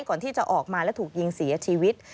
ก่อนที่จะออกมาและถูกยิงเสียชีวิต